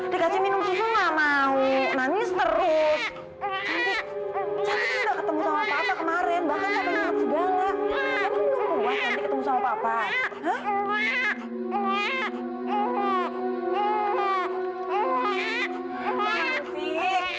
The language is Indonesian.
dikasih minum susu nggak mau nangis terus